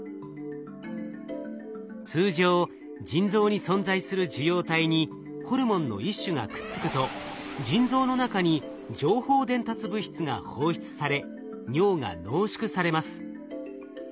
通常腎臓に存在する受容体にホルモンの一種がくっつくと腎臓の中に情報伝達物質が放出され尿が濃縮されます。